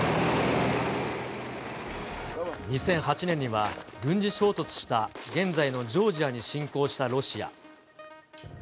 ２００８年には軍事衝突した現在のジョージアに侵攻したロシア。